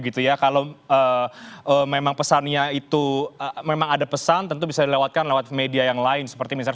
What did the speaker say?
di situasi politik seperti ini yang